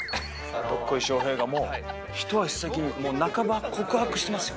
どっこい翔平がもう一足先に半ば告白してますよ。